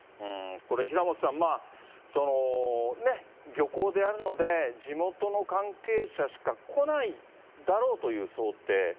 これ、平本さん、漁港でやるので、地元の関係者しか来ないだろうという想定。